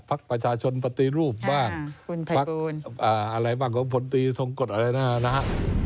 พักประชาชนปฏิรูปบ้างปักอะไรบ้างของผลตีสงกฎอะไรนะครับ